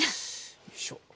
よいしょ。